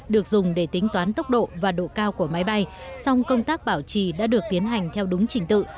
được dùng để tính toán tốc độ và độ cao của máy bay song công tác bảo trì đã được tiến hành theo đúng trình tự